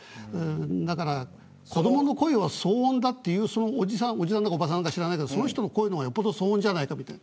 だから、子どもの声を騒音だというそういうおじさんだかおばさんだか知らないけどその人の声の方がよっぽど騒音じゃないかと。